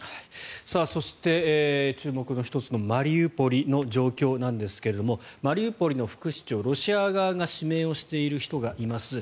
そして、注目の１つのマリウポリの状況ですがマリウポリの副市長、ロシア側が指名している人がいます。